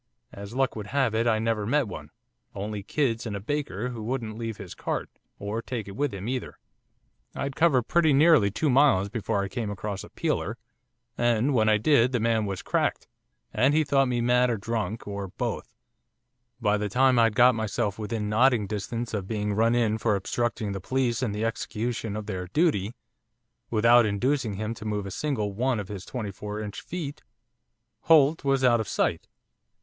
As luck would have it, I never met one, only kids, and a baker, who wouldn't leave his cart, or take it with him either. I'd covered pretty nearly two miles before I came across a peeler, and when I did the man was cracked and he thought me mad, or drunk, or both. By the time I'd got myself within nodding distance of being run in for obstructing the police in the execution of their duty, without inducing him to move a single one of his twenty four inch feet, Holt was out of sight.